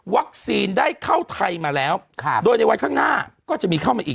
ได้เข้าไทยมาแล้วโดยในวันข้างหน้าก็จะมีเข้ามาอีก